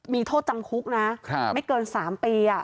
มีโทษจำคุกนะไม่เกิน๓ปี